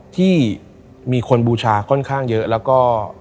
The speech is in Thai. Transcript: ที่มีคนบูชาค่อนข้างเยอะแล้วก็